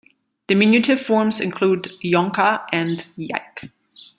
Diminutive forms include "Ilonka" and "Ilike".